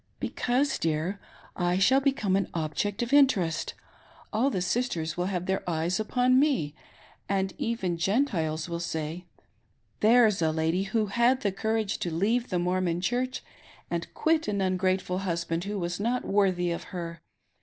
" Because, dear, I shaH become an object of interest. All the sisters will have their eyes upon me, and even Gentiles will say — There's a lady who had the Courage to leave the Mormon Church and quit an ungrateful husband who was not worthy of her.